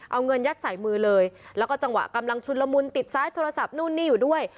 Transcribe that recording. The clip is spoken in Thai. เอาเงินยัดใส่มือเลยแล้วก็จังหวะกำลังชุนละมุนติดซ้ายโทรศัพท์นู่นนี่อยู่ด้วย